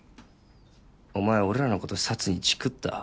お前俺らのことサツにチクった？